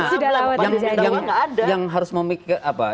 itu permasalahan yang sudah lama terjadi